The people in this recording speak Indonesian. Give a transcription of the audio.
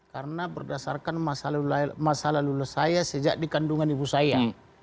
karena berdasarkan masa lalu lulus saya sejak dikandungan ibu saya